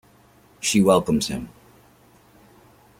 She welcomes him.